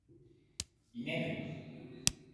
居眠り